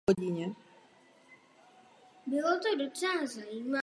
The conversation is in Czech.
Povstalci zaútočili také na ruské civilisty.